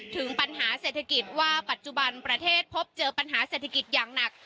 ถึงปัญหาเศรษฐกิจว่าปัจจุบันประเทศพบเจอปัญหาเศรษฐกิจอย่างหนัก